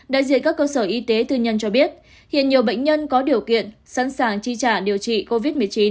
đại diện các cơ sở y tế tư nhân cho biết hiện nhiều bệnh nhân có điều kiện sẵn sàng chi trả điều trị covid một mươi chín